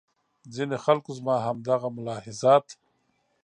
ځینې خلکو زما همدغه ملاحظات.